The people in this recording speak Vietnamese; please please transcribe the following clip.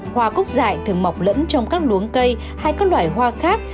hoa cúc dại thường mọc lẫn trong các luống cây hay các loài hoa khác